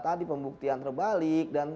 tadi pembuktian terbalik dan